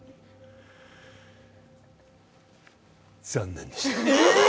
残念でした。